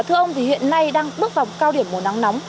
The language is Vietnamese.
thưa ông thì hiện nay đang bước vào cao điểm mùa nắng nóng